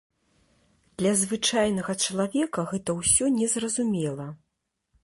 Для звычайнага чалавека гэта ўсё не зразумела.